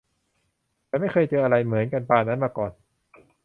ฉันไม่เคยเจออะไรเหมือนกันปานนั้นมาก่อน !